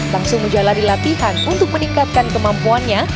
langsung menjalani latihan untuk meningkatkan kemampuannya